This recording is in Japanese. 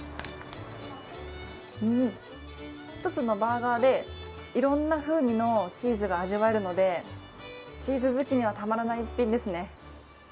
１つのバーガーでいろんな風味のチーズが味わえるのでチーズ好きにはたまらない一品ですね。